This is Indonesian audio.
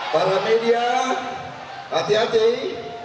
para media hati hati